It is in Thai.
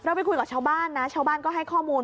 ไปคุยกับชาวบ้านนะชาวบ้านก็ให้ข้อมูล